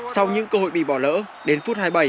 sau những cơ hội bị bỏ lỡ đến phút hai mươi bảy